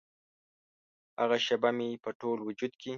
هغه شیبه مې په ټول وجود کې